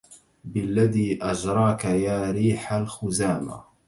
بالذي أجراك يا ريح الخزامى